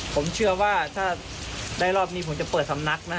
ผมเชื่อว่าถ้าได้รอบนี้ผมจะเปิดสำนักนะ